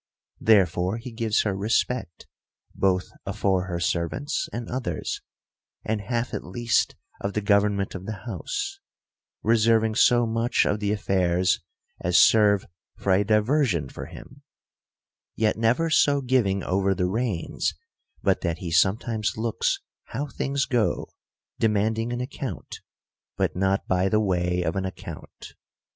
Therefore he gives her respect, both afore her servants and others, and half at least of the government of the house ; reserving so much of the affairs, as serve for a diversion for him ; yet never so giv ing over the reins, but that he sometimes looks how things go, demanding an account, — but not by the way of an account.